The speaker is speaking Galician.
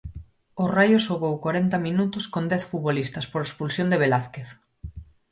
O Raio xogou corenta minutos con dez futbolistas por expulsión de Velázquez.